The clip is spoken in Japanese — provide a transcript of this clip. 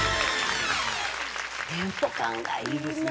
テンポ感がいいね。